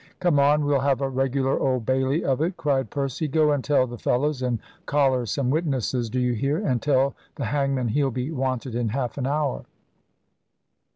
"Come on we'll have a regular Old Bailey of it," cried Percy. "Go and tell the fellows, and collar some witnesses, do you hear; and tell the hangman he'll be wanted in half an hour."